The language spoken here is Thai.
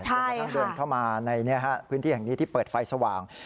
จนกระทั่งเดินเข้ามาในพื้นที่แห่งนี้ที่เปิดไฟสว่าง